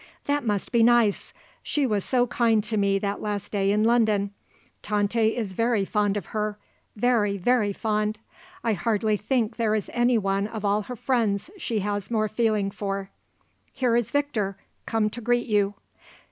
"That must be nice. She was so kind to me that last day in London. Tante is very fond of her; very, very fond. I hardly think there is anyone of all her friends she has more feeling for. Here is Victor, come to greet you.